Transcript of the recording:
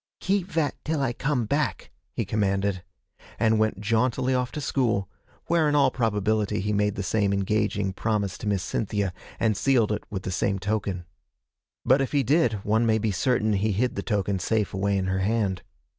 'Keep vat till I come back,' he commanded, and went jauntily off to school, where in all probability he made the same engaging promise to Miss Cynthia, and sealed it with the same token. But if he did, one may be certain he hid the token safe away in her hand.